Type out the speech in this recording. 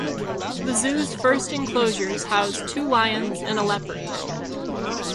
The zoo's first enclosures housed two lions and a leopard.